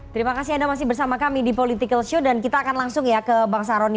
terima kasih anda masih bersama kami di political show dan kita akan langsung ya ke bang saroni